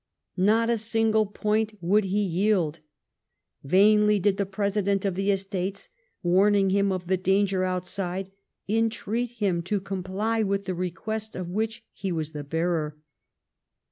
Not a single point would he yield. Vainly did the President of the Estates, warning him of the danger outside, entreat him to comply with the request of which he was the bearer.